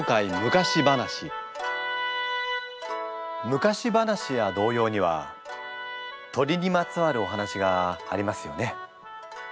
昔話や童謡には鳥にまつわるお話がありますよね。